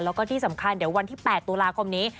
แล้วก็ที่สำคัญเดี๋ยววันที่๘ตุลาคมนี้